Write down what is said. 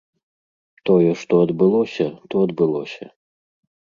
Тое, што адбылося, то адбылося.